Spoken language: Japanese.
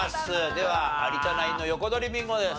では有田ナインの横取りビンゴです。